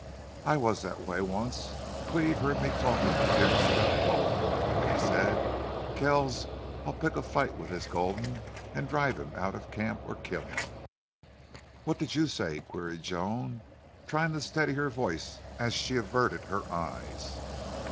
I was that way once.... Cleve heard me talking to Pearce about Gulden. And he said, 'Kells, I'll pick a fight with this Gulden and drive him out of the camp or kill him.'" "What did you say?" queried Joan, trying to steady her voice as she averted her eyes.